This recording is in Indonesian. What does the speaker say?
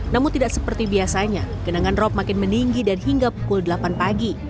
namun tidak seperti biasanya genangan rop makin meninggi dan hingga pukul delapan pagi